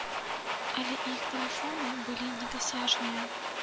Але іх тэлефоны былі недасяжныя.